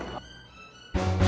apa tuh yang melayang